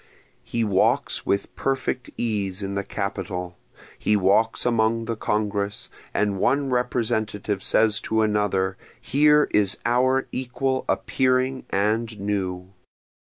He walks with perfect ease in the capitol, He walks among the Congress, and one Representative says to another, Here is our equal appearing and new.